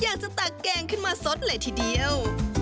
อยากจะตากแกงขึ้นมาซดเลยทีเดียว